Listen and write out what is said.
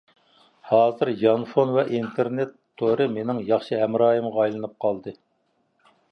ھازىر يانفون ۋە ئىنتېرنېت تورى مېنىڭ ياخشى ھەمراھىمغا ئايلىنىپ قالدى.